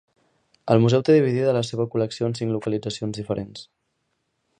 El museu té dividida la seva col·lecció en cinc localitzacions diferents.